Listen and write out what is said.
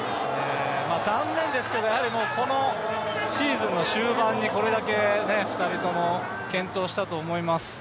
残念ですけど、このシーズンの終盤にこれだけ２人とも健闘したと思います。